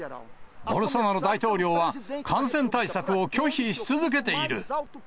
ボルソナロ大統領は感染対策を拒否し続けている。